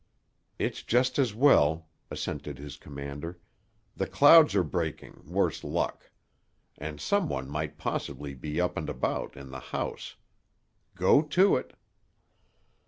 "It's just as well," assented his commander. "The clouds are breaking, worse luck. And some one might possibly be up and about, in the house. Go to it!"